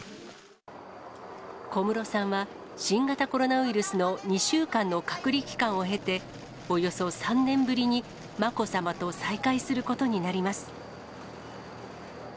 小室さんは、新型コロナウイルスの２週間の隔離期間を経て、およそ３年ぶりに、まこさまと再会することになります。